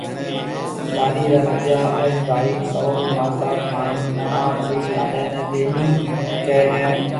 لاڏيِ را سجا ٻين ڀائي، سئوٽ، ماسات هانَ مومات بي لاڏيَ نَي ٻَينِي ڪهيَ هيَ۔